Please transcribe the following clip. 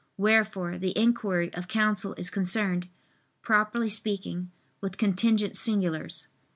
Wherefore the inquiry of counsel is concerned, properly speaking, with contingent singulars.